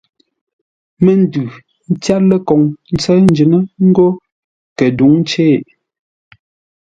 Məndʉ tyár ləkoŋ ńtsə́ʉ njʉ́ŋə́ ńgó kədǔŋcei.